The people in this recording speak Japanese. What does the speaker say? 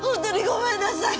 ごめんなさい！